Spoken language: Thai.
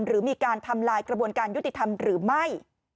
หรือมีการทำลายกระบวนการยุติธรรมหรือไม่